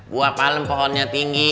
buah kalem pohonnya tinggi